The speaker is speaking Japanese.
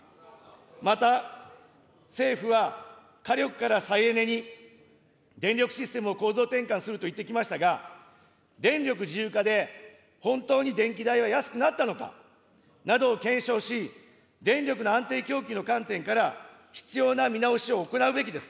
また政府は火力から再エネに電力システムを構造転換すると言ってきましたが、電力自由化で、本当に電気代は安くなったのかなどを検証し、電力の安定供給の観点から必要な見直しを行うべきです。